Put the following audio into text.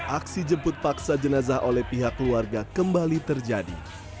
aksi jemput paksa jenazah oleh pihak keluarga kembali terjadi